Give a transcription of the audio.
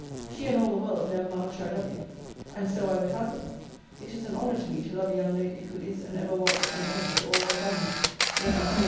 She and all the world know how much I love you: and so I would have them. It is an honour to me to love a young lady who is and ever was an honour to all her family, let them say what they will.